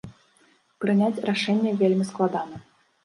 Прыняць рашэнне вельмі складана.